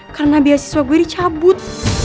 karena biaya siswa gue dicabut